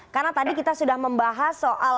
karena tadi kita sudah membahas soal